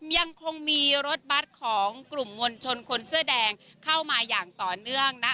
ยังคงมีรถบัตรของกลุ่มมวลชนคนเสื้อแดงเข้ามาอย่างต่อเนื่องนะ